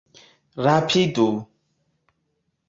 Rapidu!